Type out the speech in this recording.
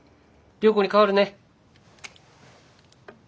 良子に代わるね。